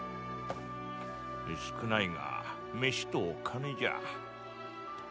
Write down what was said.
少ないがメシと金じゃ。